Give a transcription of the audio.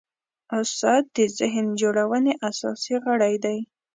استاد د ذهن جوړونې اساسي غړی دی.